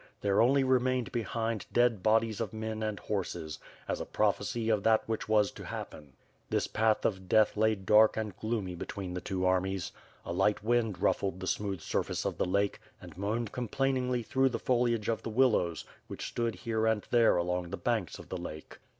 There only remained behind dead bodies of men and horses, as a prophecy of that which was to happen. This path of death lay dark and gloomy between the two armies. A light wind ruffled the smooth surface of the lake and moaned complainingly through the foliage of the willows which stood here and there along the banks of the lake.